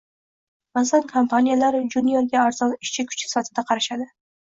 Ba’zan kompaniyalar juniorga arzon ishchi kuchi sifatida qarashadi